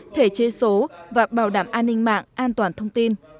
thể chế số và bảo đảm an ninh mạng an toàn thông tin